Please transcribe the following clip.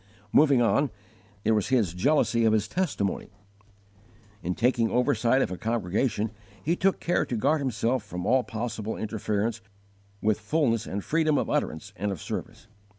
21. His jealousy of his testimony. In taking oversight of a congregation he took care to guard himself from all possible interference with fulness and freedom of utterance and of service.